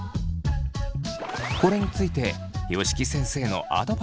これについて吉木先生のアドバイスは。